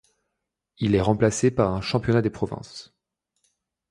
Il est remplacé par un championnat des provinces.